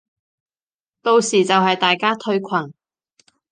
到時就係大家退群